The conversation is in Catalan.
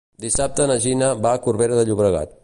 Dissabte na Gina va a Corbera de Llobregat.